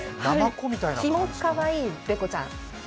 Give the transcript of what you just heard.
きもかわいいベコちゃん。